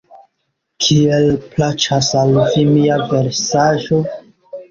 Kiel plaĉas al vi mia versaĵo?